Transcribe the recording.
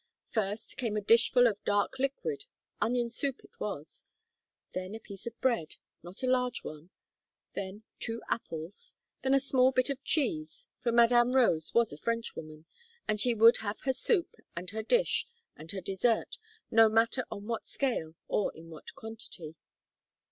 First, came a dishful of dark liquid onion soup it was then, a piece of bread, not a large one; then, two apples; then a small bit of cheese for Madame Rose was a Frenchwoman, and she would have her soup, and her dish, and her dessert, no matter on what scale, or in what quantity.